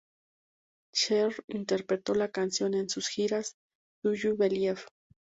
Cher interpretó la canción en sus giras "Do You Believe?